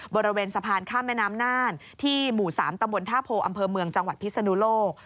บริเวณสะพานข้ามแม่น้ำน่านที่หมู่๓ตำบลท่าโพอำเภอเมืองจังหวัดพิศนุโลก